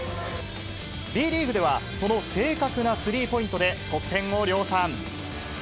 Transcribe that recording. Ｂリーグでは、その正確なスリーポイントで得点を量産。